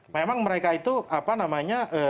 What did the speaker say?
memang mereka itu apa namanya